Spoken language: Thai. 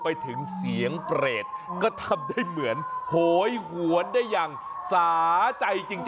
ไปถึงเสียงเปรตก็ทำได้เหมือนโหยหวนได้อย่างสาใจจริง